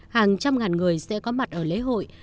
hàng trăm ngàn người sẽ có mặt ở lễ hội